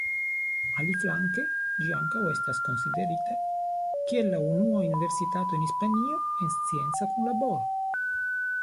Aliflanke, ĝi ankaŭ estas konsiderita kiel la unua universitato en Hispanio en scienca kunlaboro.